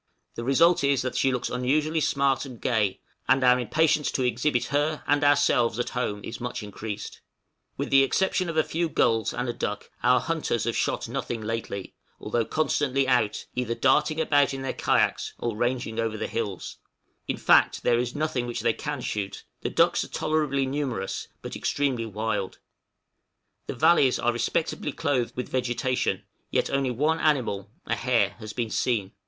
The result is that she looks unusually smart and gay, and our impatience to exhibit her, and ourselves at home is much increased. With the exception of a few gulls, and a duck, our hunters have shot nothing lately, although constantly out, either darting about in their kayaks or ranging over the hills; in fact there is nothing which they can shoot; the ducks are tolerably numerous, but extremely wild; the valleys are respectably clothed with vegetation, yet only one animal a hare has been seen.